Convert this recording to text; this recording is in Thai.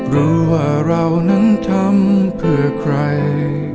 รู้ว่าเรานั้นทำเพื่อใคร